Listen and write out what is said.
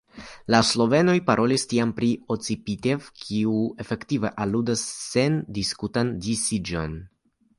La slovenoj parolis tiam pri odcepitev, kiu efektive aludas sendiskutan disiĝon.